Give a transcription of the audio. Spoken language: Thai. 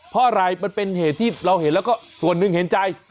เพราะอะไรมันเป็นเหตุที่เราเห็นแล้วก็ส่วนหนึ่งเห็นใจ